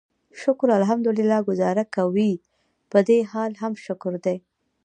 شکر الحمدلله ګوزاره کوي، پدې حال هم شکر دی.